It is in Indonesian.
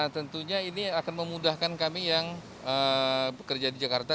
tentunya ini akan memudahkan kami yang bekerja di jakarta